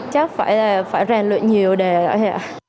chắc phải là phải rèn luyện nhiều đề rồi ạ